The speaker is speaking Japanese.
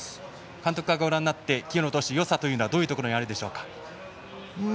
監督からご覧になって清野投手のよさというのはどういうところにあるでしょうか。